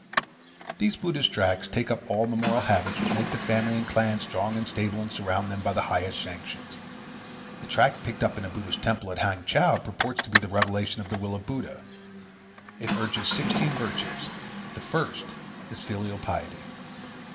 These Buddhist tracts take up all the moral habits which make the family and clan strong and stable and surround them by the highest sanctions. A tract picked up in a Buddhist temple at Hangchow purports to be the revelation of the will of Buddha. It urges sixteen virtues. The first is filial piety.